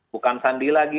bukan sandi lagi